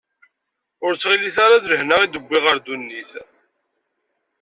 Ur ttɣilit ara d lehna i d-wwiɣ ɣer ddunit.